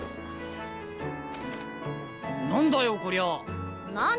何だよこりゃあ。